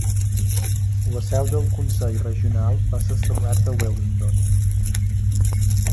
La seu del consell regional va ser establerta a Wellington.